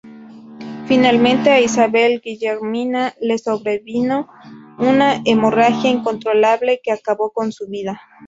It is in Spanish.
Finalmente a Isabel Guillermina le sobrevino una hemorragia incontrolable que acabó con su vida.